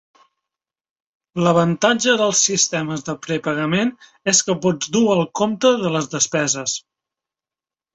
L'avantatge dels sistemes de prepagament és que pots dur el compte de les despeses.